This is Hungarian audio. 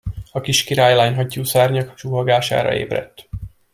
A kis királylány hattyúszárnyak suhogására ébredt.